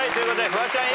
フワちゃん